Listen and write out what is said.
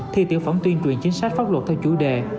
thi tiểu phẩm tuyên truyền chính sách pháp luật theo chủ đề